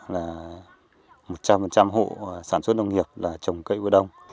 là một trăm linh hộ sản xuất nông nghiệp là trồng cây quy đông